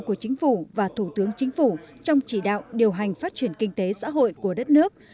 của chính phủ và thủ tướng chính phủ trong chỉ đạo điều hành phát triển kinh tế xã hội của đất nước